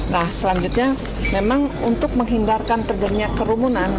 nah selanjutnya memang untuk menghindarkan terjadinya kerumunan